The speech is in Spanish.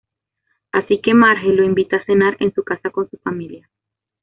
Así que Marge lo invita a cenar en su casa con su familia.